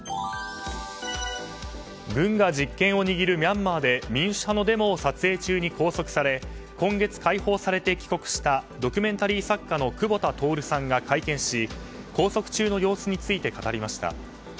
軍が実権を握るミャンマーで民主派のデモを撮影中に拘束され今月解放されて帰国したドキュメンタリー作家の久保田徹さんが会見し拘束中の様子について語りました。